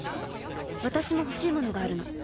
私も欲しいものがあるの。